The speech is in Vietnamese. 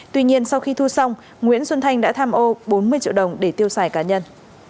tuy nhiên sau khi thu xong nguyễn xuân thanh đã tham ô bốn mươi triệu đồng để tiêu xài cá nhân